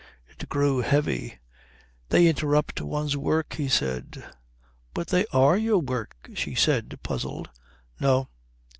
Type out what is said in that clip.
It grew heavy. "They interrupt one's work," he said. "But they are your work," she said, puzzled. "No."